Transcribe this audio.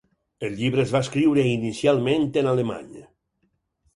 El llibre es va escriure inicialment en alemany.